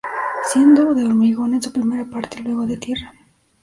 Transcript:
Siendo de hormigón en su primera parte y luego de tierra.